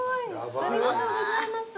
ありがとうございます。